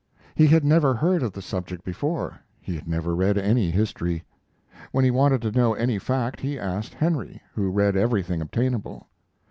He had never heard of the subject before. He had never read any history. When he wanted to know any fact he asked Henry, who read everything obtainable.